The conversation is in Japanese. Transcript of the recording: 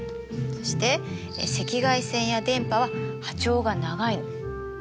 そして赤外線や電波は波長が長いの。